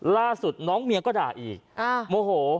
ล่าสุดน้องเมียก็ด่าอีกโมโห